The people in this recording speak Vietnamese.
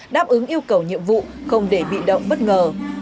đáp ứng yêu cầu nhiệm vụ không để bị động bất ngờ